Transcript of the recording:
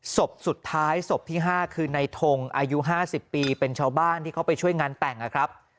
ศพสุดท้ายศพที่๕คือในทงอายุ๕๐ปีเป็นชาวบ้านที่เขาไปช่วยงานแต่งนะครับ